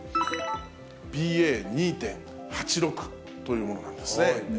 ＢＡ．２．８６というものなんですね。